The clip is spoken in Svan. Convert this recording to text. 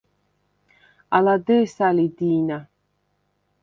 ალა დე̄სა ლი დი̄ნა.